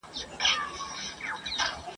رغړېدم چي له کعبې تر سومناته !.